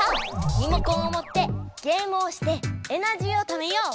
リモコンをもってゲームをしてエナジーをためよう！